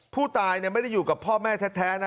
ผู้ตายไม่ได้อยู่กับพ่อแม่แท้นะ